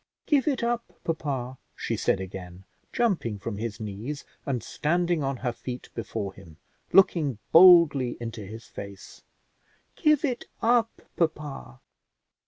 "Give it up, papa," she said again, jumping from his knees and standing on her feet before him, looking boldly into his face; "give it up, papa."